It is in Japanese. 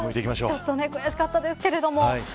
ちょっと悔しかったですけれども。